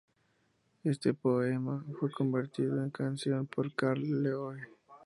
Este poema fue convertido en canción por Carl Loewe.